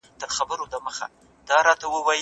د تیزس لیکل وخت غواړي.